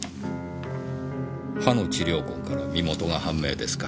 「歯の治療痕から身元が判明」ですか？